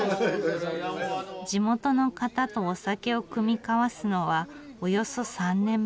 地元の方とお酒を酌み交わすのはおよそ３年ぶり。